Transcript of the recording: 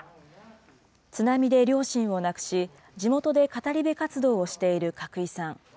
津波で両親を亡くし、地元で語り部活動をしている格井さん。